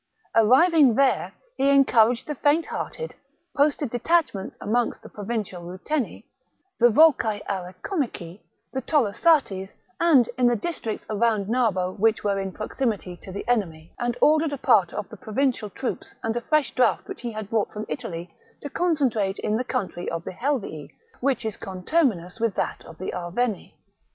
Arriving there, he encouraged the faint hearted, posted detachments among the Provincial Ruteni, the Volcae Arecomici, the Tolosates, and in the districts round Narbo which were in proximity to the enemy, and ordered a part of the Provincial troops and a fresh draft which he had brought from Italy to concentrate in the country of the Helvii, which is conterminous with that of the Arverni.